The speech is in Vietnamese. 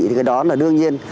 thì cái đó là đương nhiên